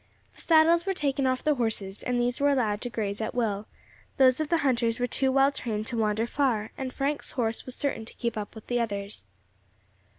The saddles were taken off the horses, and these were allowed to graze at will; those of the hunters were too well trained to wander far, and Frank's horse was certain to keep with the others.